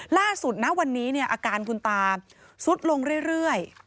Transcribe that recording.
ล่าสุดนะวันนี้อาการคุณตาสุดลงเรื่อย